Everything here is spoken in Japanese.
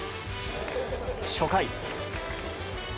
初回。